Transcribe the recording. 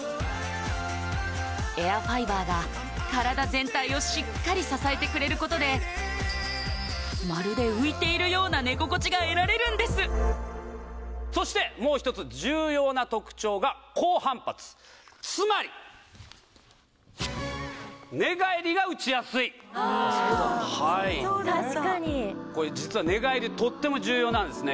エアファイバーが体全体をしっかり支えてくれることでまるで浮いているような寝心地が得られるんですそしてつまり寝返りが打ちやすいああそうだった確かにこれ実は寝返りとっても重要なんですね